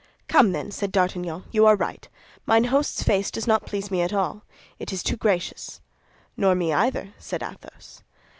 "Come, then," said D'Artagnan, "you are right. Mine host's face does not please me at all; it is too gracious." "Nor me either," said Athos.